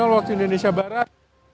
waktu indonesia barat